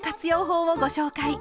法をご紹介。